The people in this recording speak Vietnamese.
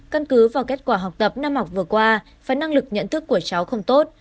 căn cứ vào kết quả học tập năm học vừa qua và năng lực nhận thức của cháu không tốt